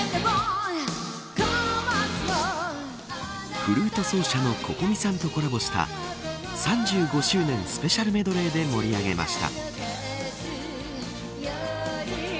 フルート奏者のＣｏｃｏｍｉさんとコラボした３５周年スペシャルメドレーで盛り上げました。